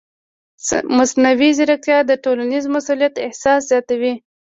مصنوعي ځیرکتیا د ټولنیز مسؤلیت احساس زیاتوي.